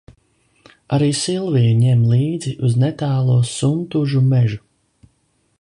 Arī Silviju ņem līdzi uz netālo Suntuļu mežu.